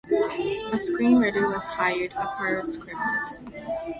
A screenwriter was hired, a pilot scripted.